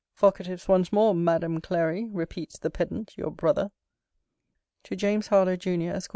Vocatives, once more, Madam Clary, repeats the pedant your brother! TO JAMES HARLOWE, JUNIOR, ESQ.